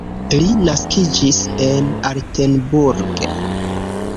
Li naskiĝis en Altenburg.